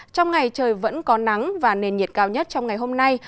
trong ngày trời vẫn có nắng và nền nhiệt cao nhất trong ngày hôm nay